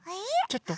ちょっと。